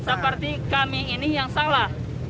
seperti kami ini yang salah